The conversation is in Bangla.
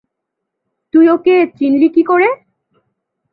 তুই ওকে চিনলি কি কোরে?